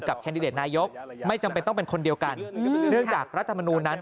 กับแคนดิเดตนายกไม่จำเป็นต้องเป็นคนเดียวกัน